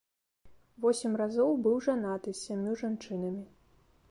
Восем разоў быў жанаты з сямю жанчынамі.